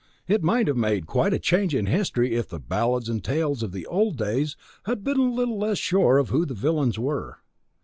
It might have made quite a change in history if the ballads and tales of the old days had been a little less sure of who the villains were.